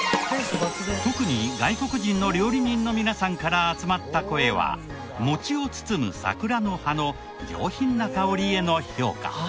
特に外国人の料理人の皆さんから集まった声は餅を包む桜の葉の上品な香りへの評価。